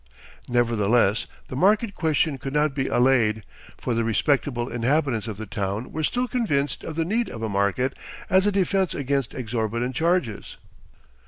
Nevertheless, the market question could not be allayed, for the respectable inhabitants of the town were still convinced of the need of a market as a defense against exorbitant charges.